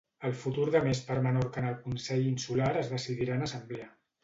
El futur de Més per Menorca en el consell insular es decidirà en assemblea.